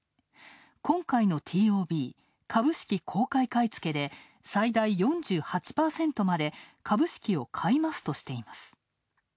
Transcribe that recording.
今回のＴＯＢ＝株式公開買い付けで最大４８％まで株式を買い増すとしています。